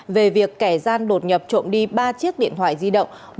về việc kẻ gian đột nhập trộm đi ba chiếc điện thoại di động